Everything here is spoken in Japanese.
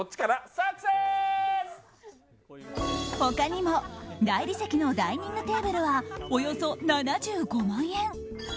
他にも大理石のダイニングテーブルはおよそ７５万円。